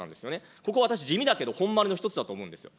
ここ、私、地味だけど本丸の一つだと思うんですよ。